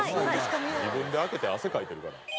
自分で開けて汗かいてるから。